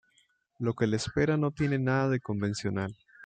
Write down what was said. Lo que le espera no tiene nada de convencional.